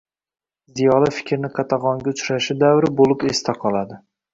ziyoli fikrni qatag‘onga uchrashi davri bo‘lib esda qoladi.